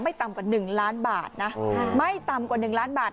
ไม่ต่ำกว่าหนึ่งล้านบาทนะไม่ต่ำกว่าหนึ่งล้านบาท